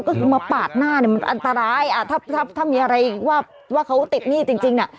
ก็คือมาปาดหน้าเนี่ยมันอันตรายถ้ามีอะไรว่าเขาติดหนี้จริง